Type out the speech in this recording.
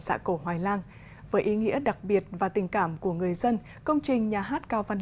xã cổ hoài lang với ý nghĩa đặc biệt và tình cảm của người dân công trình nhà hát cao văn